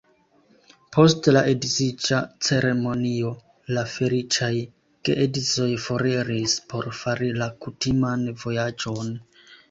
Post la edziĝa ceremonio, la feliĉaj geedzoj foriris por fari la kutiman vojaĝon.